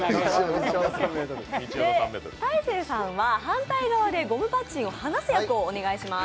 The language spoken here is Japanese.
大晴さんは反対側でゴムパッチンを放す役をお願いします。